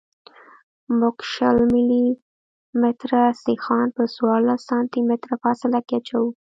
موږ شل ملي متره سیخان په څوارلس سانتي متره فاصله کې اچوو